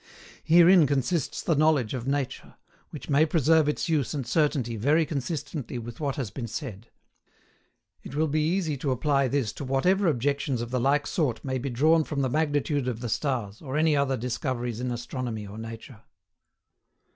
Herein consists the knowledge of nature, which may preserve its use and certainty very consistently with what has been said. It will be easy to apply this to whatever objections of the like sort may be drawn from the magnitude of the stars, or any other discoveries in astronomy or nature.